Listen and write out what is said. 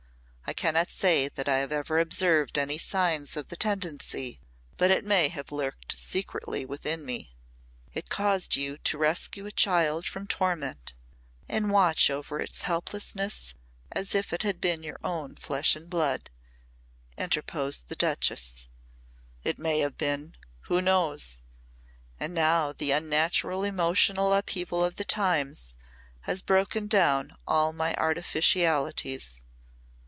I cannot say that I have ever observed any signs of the tendency, but it may have lurked secretly within me." "It caused you to rescue a child from torment and watch over its helplessness as if it had been your own flesh and blood," interposed the Duchess. "It may have been. Who knows? And now the unnatural emotional upheaval of the times has broken down all my artificialities.